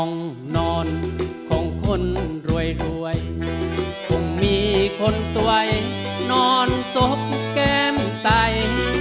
ห้องนอนของคนรวยรวยคงมีคนต่วยนอนสบแก้มใจ